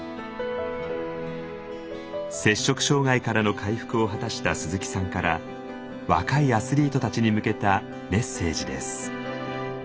摂食障害からの回復を果たした鈴木さんから若いアスリートたちに向けたメッセージです。